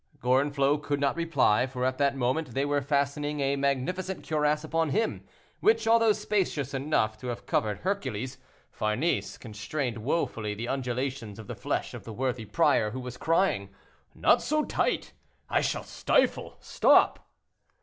Gorenflot could not reply, for at that moment they were fastening a magnificent cuirass upon him, which, although spacious enough to have covered Hercules, Farnese constrained wofully the undulations of the flesh of the worthy prior, who was crying: "Not so tight! I shall stifle; stop!"